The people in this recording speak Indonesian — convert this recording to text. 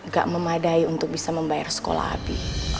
gak memadai untuk bisa membayar sekolah api